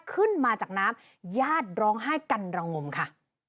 ขึ้นมาจากน้ำญาติร้องไห้กันระงมค่ะ